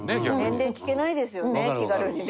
年齢聞けないですよね気軽にね。